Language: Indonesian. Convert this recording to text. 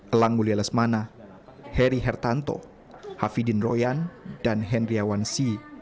elang mulia lesmana heri hertanto hafidin royan dan hendriawansi